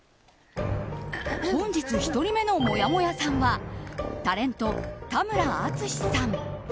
本日１人目のもやもやさんはタレント田村淳さん。